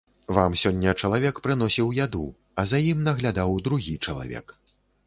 Вам сёння чалавек прыносіў яду, а за ім наглядаў другі чалавек.